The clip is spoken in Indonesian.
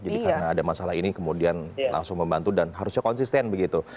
jadi karena ada masalah ini kemudian langsung membantu dan harusnya konsisten begitu